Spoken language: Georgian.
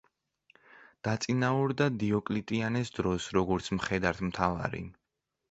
დაწინაურდა დიოკლეტიანეს დროს როგორც მხედართმთავარი.